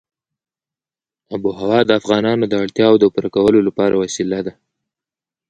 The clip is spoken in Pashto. آب وهوا د افغانانو د اړتیاوو د پوره کولو وسیله ده.